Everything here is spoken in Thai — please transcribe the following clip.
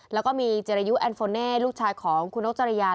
แล้วก็มีเจรยุแอนโฟเน่ลูกชายของคุณนกจริยา